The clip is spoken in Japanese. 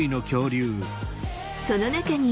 その中に。